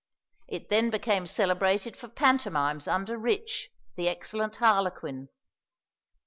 It then became celebrated for pantomimes under Rich, the excellent harlequin.